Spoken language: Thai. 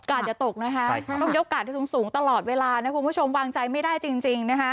โอกาสจะตกนะครับต้องยกโอกาสที่สูงตลอดเวลาคุณผู้ชมวางใจไม่ได้จริง